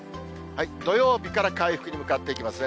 土曜日から回復に向かっていきますね。